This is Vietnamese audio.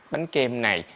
bánh kem này